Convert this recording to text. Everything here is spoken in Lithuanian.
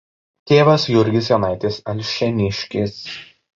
Tėvas Jurgis Jonaitis Alšėniškis.